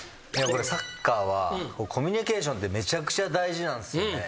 サッカーはコミュニケーションってめちゃくちゃ大事なんですよね。